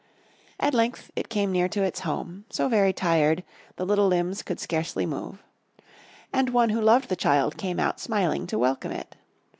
At length it came near to its home; so very tired, the little limbs could scarcely move. And one who loved the child came out smiling to welcome it.